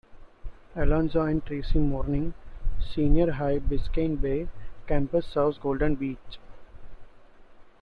Alonzo and Tracy Mourning Senior High Biscayne Bay Campus serves Golden Beach.